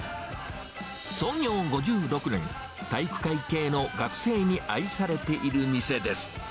創業５６年、体育会系の学生に愛されている店です。